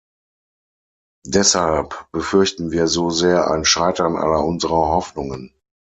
Deshalb befürchten wir so sehr ein Scheitern aller unserer Hoffnungen.